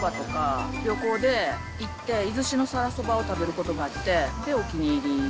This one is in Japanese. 出石そばとか、旅行で行って、出石のさらそばを食べることがあって、お気に入り。